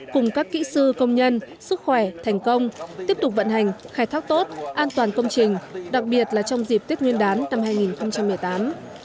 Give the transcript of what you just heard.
cùng các kỹ sư công nhân sức khỏe thành công tiếp tục vận hành khai thác tốt an toàn công trình đặc biệt là trong dịp tết nguyên đán năm hai nghìn một mươi tám